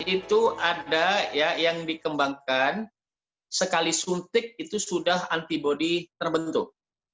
itu ada yang dikembangkan sekali suntik itu sudah antibody terbentuk